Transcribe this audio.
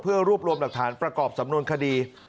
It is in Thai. เพื่อรวบรวมหลักฐานประกอบสำนวนคดี